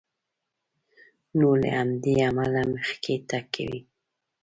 نو له همدې امله مخکې تګ کوي.